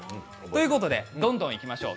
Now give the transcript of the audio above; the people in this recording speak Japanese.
どんどんいきましょう。